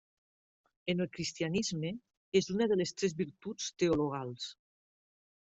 En el cristianisme, és una de les tres virtuts teologals.